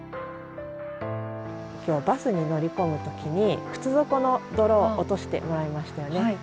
今日バスに乗り込む時に靴底の泥落としてもらいましたよね。